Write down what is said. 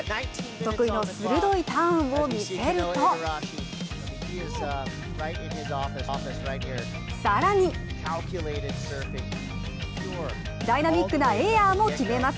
得意の鋭いターンを見せると、更にダイナミックなエアーも決めます！